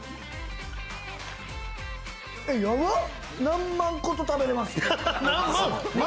何万個と食べれます。